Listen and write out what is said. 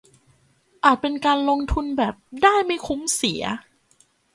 อาจเป็นการลงทุนแบบได้ไม่คุ้มเสีย